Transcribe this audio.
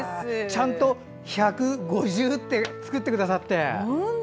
ちゃんと１５０って作ってくださって。